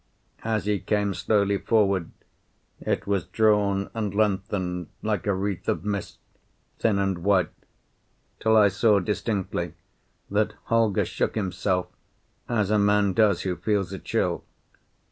As he came slowly forward it was drawn and lengthened like a wreath of mist, thin and white, till I saw distinctly that Holger shook himself, as a man does who feels a chill.